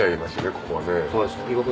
ここはね。